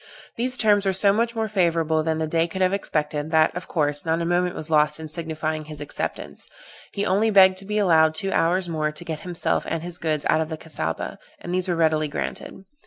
These terms were so much more favorable than the Dey could have expected, that, of course, not a moment was lost in signifying his acceptance: he only begged to be allowed two hours more to get himself and his goods out of the Cassaubah, and these were readily granted.